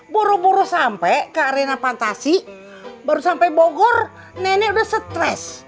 boroboro sampai ke arena pantasi baru sampai bogor nenek udah stres